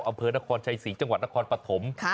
อำเภอนครชัยศรีจังหวัดนครปฐม